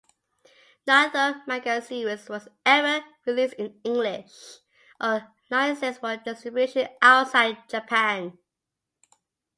Neither manga series was ever released in English nor licensed for distribution outside Japan.